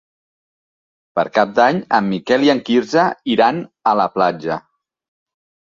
Per Cap d'Any en Miquel i en Quirze iran a la platja.